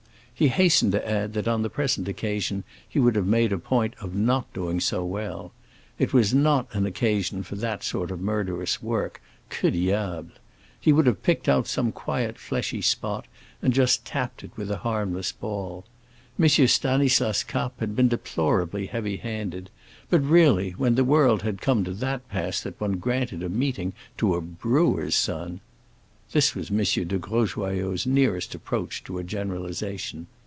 He hastened to add that on the present occasion he would have made a point of not doing so well. It was not an occasion for that sort of murderous work, que diable! He would have picked out some quiet fleshy spot and just tapped it with a harmless ball. M. Stanislas Kapp had been deplorably heavy handed; but really, when the world had come to that pass that one granted a meeting to a brewer's son!... This was M. de Grosjoyaux's nearest approach to a generalization.